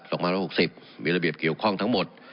สองพันร้อยหกสิบมีระเบียบเกี่ยวข้องทั้งหมด